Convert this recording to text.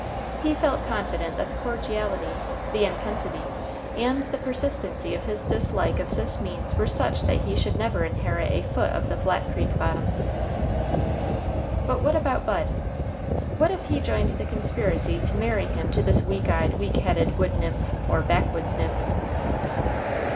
He felt confident that the cordiality, the intensity, and the persistency of his dislike of Sis Means were such that he should never inherit a foot of the Flat Creek bottoms. But what about Bud? What if he joined the conspiracy to marry him to this weak eyed, weak headed wood nymph, or backwoods nymph?